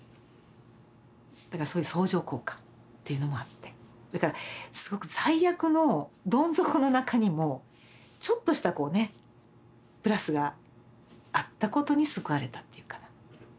だからそういう相乗効果っていうのもあってだからすごく最悪のどん底の中にもちょっとしたこうねプラスがあったことに救われたっていうかな。